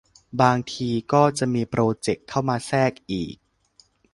บางทีก็จะมีโปรเจกต์เข้ามาแทรกอีก